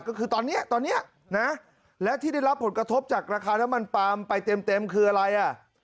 ก็คือตอนนี้ตอนนี้นะและที่ได้รับผลกระทบจากราคาน้ำมันปาล์มไปเต็มคืออะไรอ่ะ